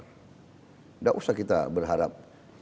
tidak usah kita berharap